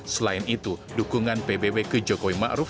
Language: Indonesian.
selain itu dukungan pbb ke jokowi maruf